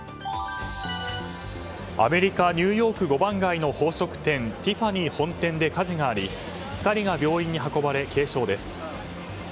アメリカ・ニューヨーク５番街の宝飾店ティファニー本店で火事があり２人が病院に運ばれ軽傷です。